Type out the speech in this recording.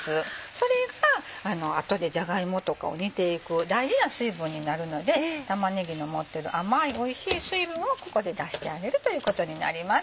それが後でじゃが芋とかを煮ていく大事な水分になるので玉ねぎの持ってる甘いおいしい水分をここで出してあげるということになります。